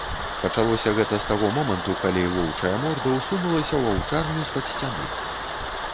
Пачалося гэта з таго моманту, калі воўчая морда ўсунулася ў аўчарню з-пад сцяны.